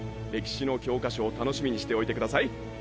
歴史の教科書を楽しみにしておいてください。